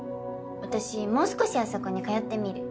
私もう少しあそこに通ってみる。